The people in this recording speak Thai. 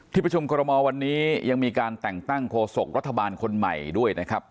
ประชุมคอรมอลวันนี้ยังมีการแต่งตั้งโฆษกรัฐบาลคนใหม่ด้วยนะครับ